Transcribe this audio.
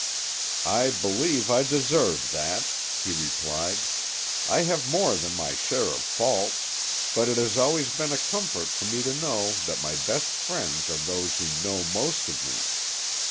"I believe I deserve that," he replied. "I have more than my share of faults, but it has always been a comfort for me to know that my best friends are those who know most of me.